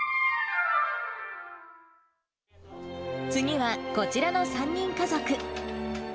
次はこちらの３人家族。